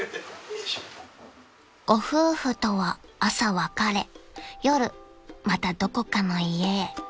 ［ご夫婦とは朝別れ夜またどこかの家へ］